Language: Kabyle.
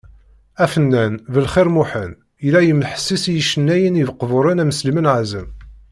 Afennan Belxir Muḥend, yella yesmeḥsis i yicennayen iqburen am Sliman Ɛazem.